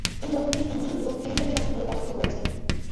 এই যন্ত্রটি ইন্ডি এবং ফিউশন সংগীতে ব্যবহৃত হয়েছে।